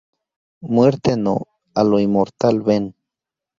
Muerte no, a lo inmortal ven.